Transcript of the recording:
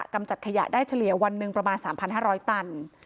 กำจัดขยะได้เฉลี่ยวันหนึ่งประมาณ๓๕๐๐ตัน